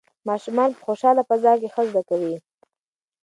ماشومان په خوشحاله فضا کې ښه زده کوي.